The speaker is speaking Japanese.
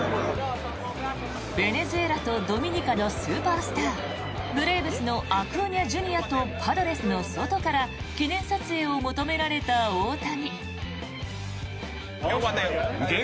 ベネズエラとドミニカのスーパースターブレーブスのアクーニャＪｒ．とパドレスのソトから記念撮影を求められた大谷。